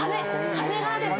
羽がですね。